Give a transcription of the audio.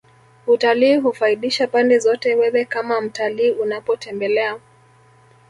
utalii hufaidisha pande zote Wewe kama mtalii unapotembelea